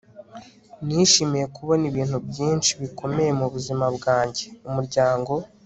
nishimiye kubona ibintu byinshi bikomeye mubuzima bwanjye - umuryango